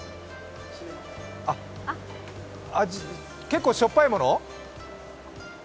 結構しょっぱいもの？